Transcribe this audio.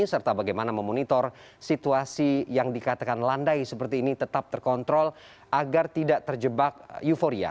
serta bagaimana memonitor situasi yang dikatakan landai seperti ini tetap terkontrol agar tidak terjebak euforia